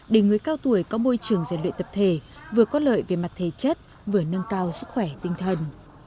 để người cao tuổi có môi trường giải luyện tập thể vừa có lợi về mặt thể chất vừa nâng cao sức khỏe tinh thần